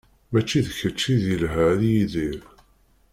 Mačči d kečč i d-yelha a Yidir.